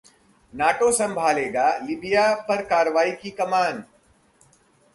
NATO संभालेगा Libya पर कार्रवाई की कमान